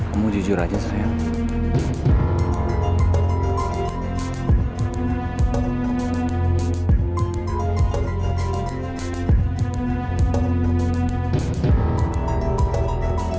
assalamualaikum wr wb